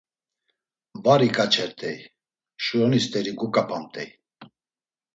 Var iǩaçert̆ey, şoroni st̆eri duǩap̌amt̆ey.